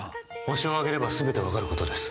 ホシを挙げれば全て分かることです